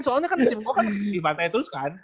soalnya kan tim gue kan dibantai terus kan